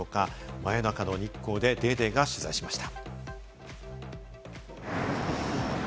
真夜中の日光で『ＤａｙＤａｙ．』が取材しました。